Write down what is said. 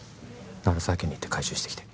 鳴沢家に行って回収してきて